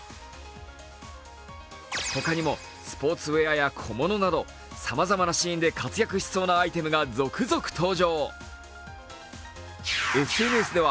ほかにもスポーツウェアや小物などさまざまなシーンで活躍しそうなアイテムが続々登場。